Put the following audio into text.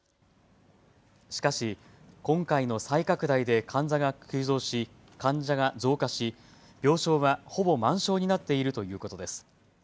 しかし今回の再拡大で患者が増加し病床はほぼ満床になっているということです。